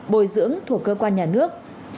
bồi dưỡng thuộc cơ quan nhà nước